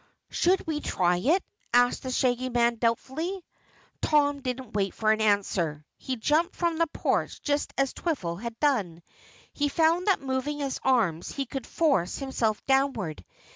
"Should we try it?" asked the Shaggy Man doubtfully. Tom didn't wait for an answer. He jumped from the porch just as Twiffle had done. He found that by moving his arms he could force himself downward.